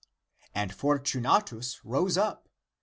" And Fortunatus rose up.